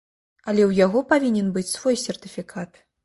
Але ў яго павінен быць свой сертыфікат.